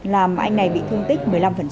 làm anh này bị thương tích một mươi năm